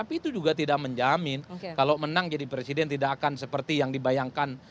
tapi itu juga tidak menjamin kalau menang jadi presiden tidak akan seperti yang dibayangkan